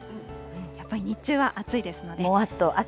やっぱり日中は暑いですので。